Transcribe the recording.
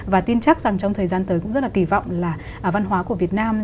và tin chắc rằng trong thời gian tới cũng rất là kỳ vọng là văn hóa của việt nam